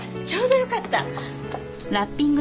ちょうどよかった。